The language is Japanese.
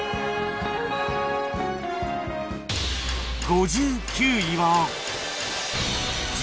５９位は